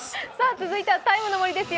続いては「ＴＩＭＥ，の森」ですよ。